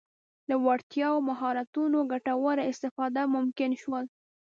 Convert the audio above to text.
له وړتیاوو او مهارتونو ګټوره استفاده ممکن شول.